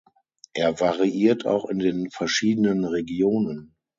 Er variiert auch in den verschiedenen Regionen.